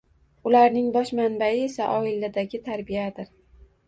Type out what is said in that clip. Ularning bosh manbai esa, oiladagi tarbiyadir